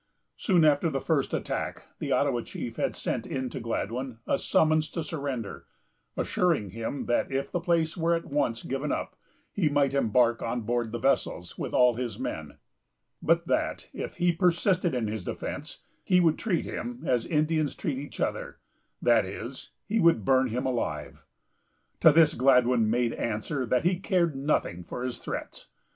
Soon after the first attack, the Ottawa chief had sent in to Gladwyn a summons to surrender, assuring him that, if the place were at once given up, he might embark on board the vessels, with all his men; but that, if he persisted in his defence, he would treat him as Indians treat each other; that is, he would burn him alive. To this Gladwyn made answer that he cared nothing for his threats.